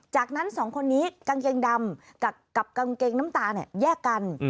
จากนั้นสองคนนี้กางเกงดำกับกางเกงน้ำตาเนี่ยแยกกัน